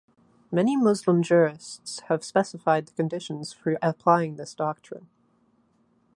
Many Muslim jurists have specified the conditions for applying this doctrine.